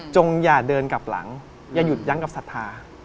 อย่าเดินกลับหลังอย่าหยุดยั้งกับศรัทธา